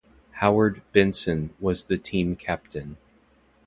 Howard Benson was the team captain.